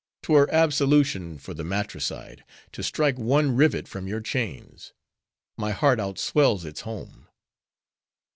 'Twere absolution for the matricide, to strike one rivet from your chains. My heart outswells its home!"